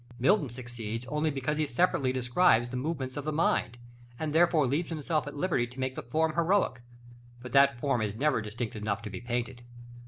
Milton succeeds only because he separately describes the movements of the mind, and therefore leaves himself at liberty to make the form heroic; but that form is never distinct enough to be painted.